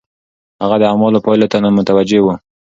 هغه د اعمالو پايلو ته متوجه و.